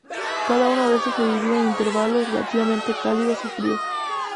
Cada una de estos se divide en intervalos relativamente cálidos o fríos.